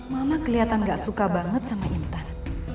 mama kelihatan gak suka banget sama intan